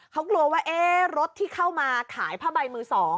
เขากลัวว่ารถที่เข้ามาขายผ้าใบมือ๒